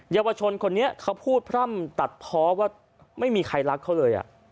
เยาวชนคนนี้เขาพูดพร่ำตัดเพราะว่าไม่มีใครรักเขาเลย